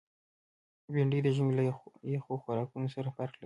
بېنډۍ د ژمي له یخو خوراکونو سره فرق لري